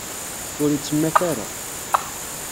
Ur ittemmat ara.